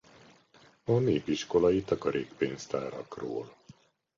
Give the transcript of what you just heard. A népiskolai takarékpénztárakról.